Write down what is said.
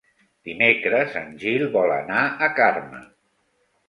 Dimecres en Gil vol anar a Carme.